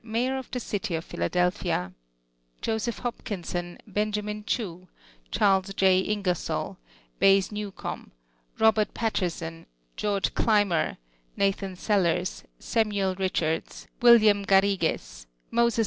Mayor of the city of Pliiladelphia; Joseph Ilopkinson, Benjamin Chew, Ch.xrles J. Ingcrsoil, B lyes Newcomb, Robert Patterson, George Cl\ mer, Nathan Sehei's, Samuel Richards, William Garrigues, Moses L.